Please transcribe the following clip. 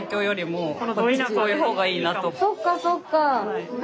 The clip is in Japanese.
そっかそっか。